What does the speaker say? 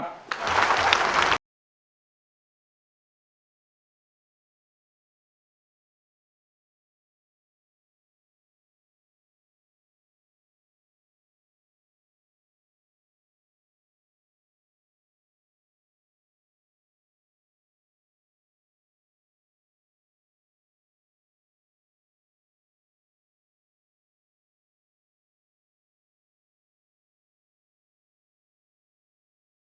โปรดติดตามตอนต่อไป